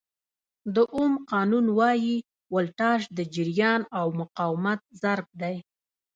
د اوم قانون وایي ولټاژ د جریان او مقاومت ضرب دی.